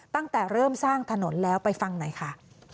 ตั้งแต่เริ่มสร้างถนนแล้วไปฟังหน่อยค่ะ